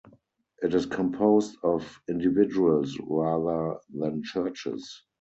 It is composed of individuals rather than churches.